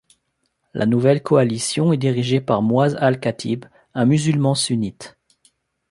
La nouvelle coalition est dirigée par Mouaz Al-Khatib, un musulman sunnite.